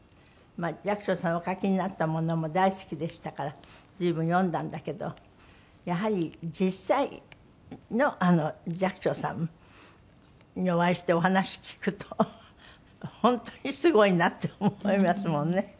寂聴さんがお書きになったものも大好きでしたから随分読んだんだけどやはり実際の寂聴さんにお会いしてお話聞くと本当にすごいなって思いますものね。